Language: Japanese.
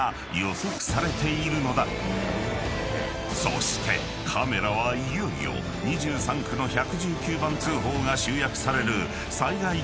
［そしてカメラはいよいよ２３区の１１９番通報が集約される］